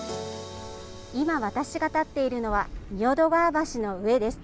今、私が立っているのは仁淀川橋の上です。